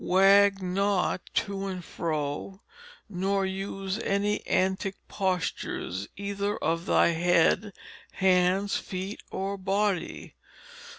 Wag not to and fro, nor use any Antick Postures either of thy Head, Hands, Feet or Body.